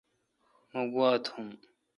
مہ گوا تھوم۔